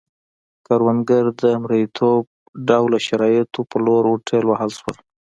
کروندګر د مریتوب ډوله شرایطو په لور ورټېل وهل شول.